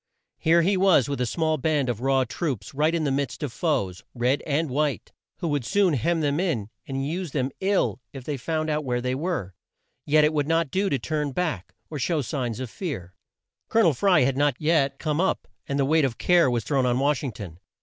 Here he was with a small band of raw troops right in the midst of foes, red and white, who would soon hem them in and use them ill if they found out where they were. Yet it would not do to turn back, or show signs of fear. Col o nel Fry had not yet come up and the weight of care was thrown on Wash ing ton.